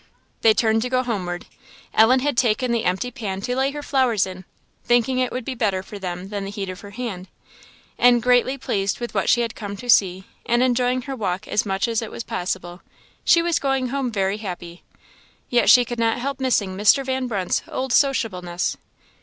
They turned to go homeward. Ellen had taken the empty pan to lay her flowers in, thinking it would be better for them than the heat of her hand; and, greatly pleased with what she had come to see, and enjoying her walk as much as it was possible, she was going home very happy, yet she could not help missing Mr. Van Brunt's old sociableness.